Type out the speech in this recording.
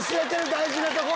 大事なとこ。